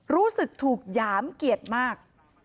รู้สึกถูกหยามเกียรติมาก